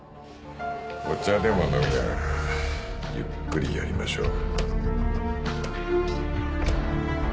お茶でも飲みながらゆっくりやりましょう。